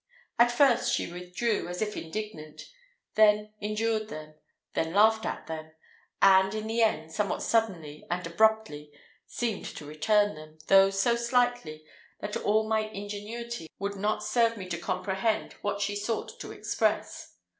At first she withdrew, as if indignant; then endured them; then laughed at them; and, in the end, somewhat suddenly and abruptly seemed to return them, though so slightly, that all my ingenuity would not serve me to comprehend what she sought to express.